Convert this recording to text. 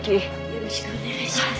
よろしくお願いします。